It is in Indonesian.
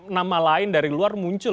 nama lain dari luar muncul